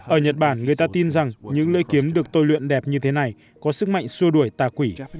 ở nhật bản người ta tin rằng những lưỡi kiếm được tôi luyện đẹp như thế này có sức mạnh xua đuổi tà quỷ